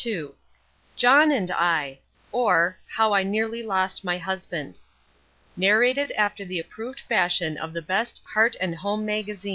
II JOHN AND I OR, HOW I NEARLY LOST MY HUSBAND (Narrated after the approved fashion of the best Heart and Home Magazines) _II.